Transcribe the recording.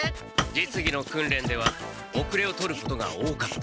実技の訓練では後れを取ることが多かった。